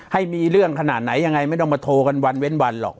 ให้มีเรื่องขนาดไหนยังไงไม่ต้องมาโทรกันวันเว้นวันหรอก